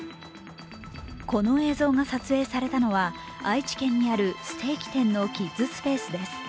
この映像が撮影されたのは愛知県にあるステーキ店のキッズスペースです。